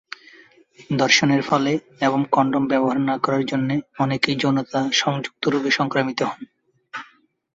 ধর্ষণের ফলে এবং কনডম ব্যবহার না করার জন্য অনেকেই যৌনতা সংযুক্ত রোগে সংক্রামিত হন।